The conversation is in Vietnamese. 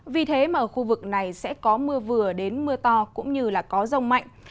vì thế mà ở khu vực này sẽ có mưa vừa đến mưa to cũng như là có rông mạnh